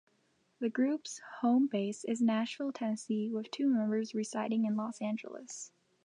The group's home-base is Nashville, Tennessee, with two members residing in Los Angeles.